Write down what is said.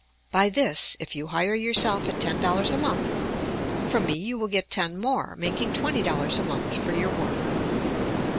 By this, if you hire yourself at ten dollars a month, from me you will get ten more, making twenty dollars a month for your work.